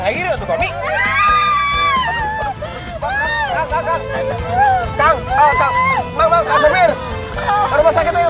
saya juga belum without